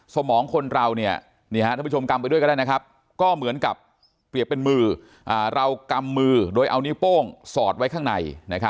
สมองคนเราท่านผู้ชมกำไปด้วยก็ได้นะครับก็เหมือนกับเปรียบเป็นมือเรากำมือโดยเอานิ้วโป้งสอดไว้ข้างใน